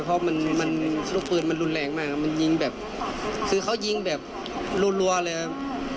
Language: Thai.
เพราะลูกเปือนรุนแรงมากยิงคือเขายิงแบบลวนรัวเลยครับ